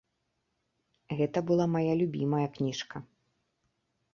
Гэта была мая любімая кніжка.